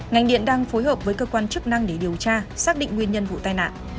ngành điện đang phối hợp với cơ quan chức năng để điều trị